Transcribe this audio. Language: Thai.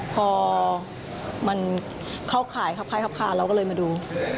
พอมันเข้าข่ายขาบให้ขับขาเราก็เลยมาดู